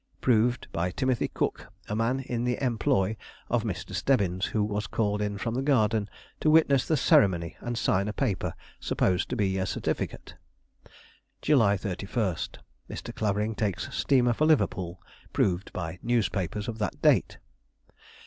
_Proved by Timothy Cook, a man in the employ of Mr. Stebbins, who was called in from the garden to witness the ceremony and sign a paper supposed to be a certificate._ "July 31. Mr. Clavering takes steamer for Liverpool. _Proved by newspapers of that date.